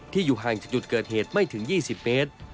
อยู่ห่างจากจุดเกิดเหตุไม่ถึง๒๐เมตร